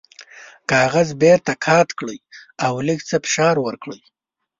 کاغذ بیرته قات کړئ او لږ څه فشار ورکړئ.